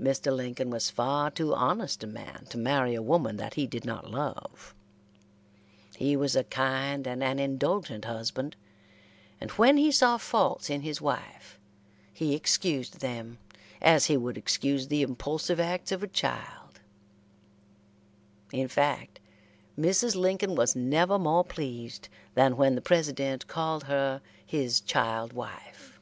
Mr. Lincoln was far too honest a man to marry a woman that he did not love. He was a kind and an indulgent husband, and when he saw faults in his wife he excused them as he would excuse the impulsive acts of a child. In fact, Mrs. Lincoln was never more pleased than when the President called her his child wife.